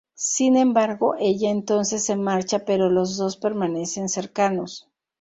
Sin embargo, ella entonces se marcha, pero los dos permanecen cercanos.